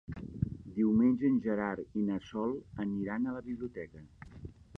Diumenge en Gerard i na Sol aniran a la biblioteca.